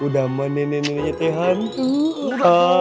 udah sama nenek neneknya teh hantu